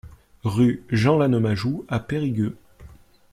Rue Jean Lannemajou à Périgueux